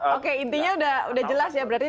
oke intinya udah jelas ya berarti